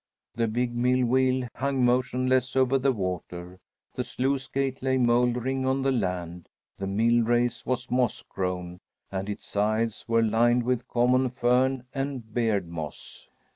The big mill wheel hung motionless over the water. The sluice gate lay mouldering on the land; the mill race was moss grown, and its sides were lined with common fern and beard moss.